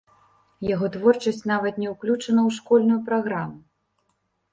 Яго творчасць нават не ўключана ў школьную праграму.